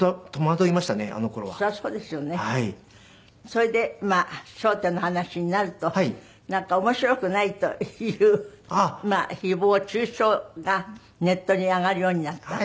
それでまあ『笑点』の話になるとなんか面白くないというひぼう中傷がネットに上がるようになった？